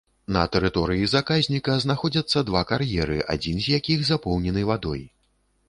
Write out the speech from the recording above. На тэрыторыі заказніка знаходзяцца два кар'еры, адзін з якіх запоўнены вадой.